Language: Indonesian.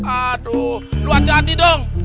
aduh hati hati dong